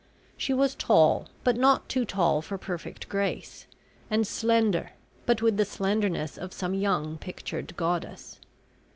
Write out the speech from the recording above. She was tall, but not too tall for perfect grace; and slender, but with the slenderness of some young pictured goddess.